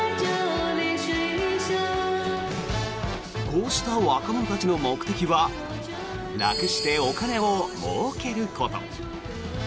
こうした若者たちの目的は楽してお金をもうけること。